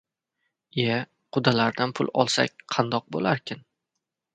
— Ie, qudalardan pul olsak qandoq bo‘larkin?